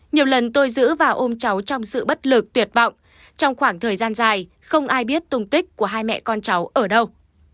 nhiều lần tôi giữ và ôm cháu trong sự bất lực tuyệt vọng trong khoảng thời gian dài không ai biết tùng tích của hai mẹ con cháu ở đâu